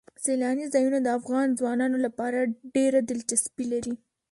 سیلاني ځایونه د افغان ځوانانو لپاره ډېره دلچسپي لري.